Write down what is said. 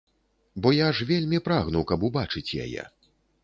Бо я ж вельмі прагну, каб убачыць яе.